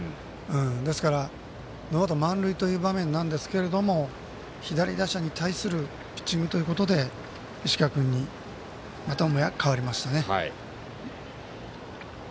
ですから、ノーアウト満塁という場面なんですけども左打者に対するピッチングということで石川君にまたもや代わりましたね。